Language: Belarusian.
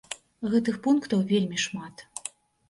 Гэтых пунктаў вельмі шмат.